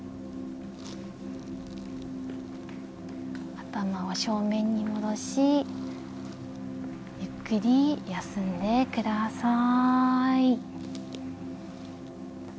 頭は正面に戻しゆっくり休んでください。